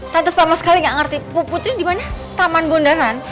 tante sama sekali gak ngerti putri di mana taman bundaran